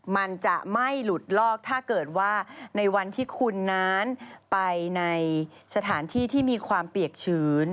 มันจะไม่หลุดลอกถ้าเกิดว่าในวันที่คุณนั้นไปในสถานที่ที่มีความเปียกชื้น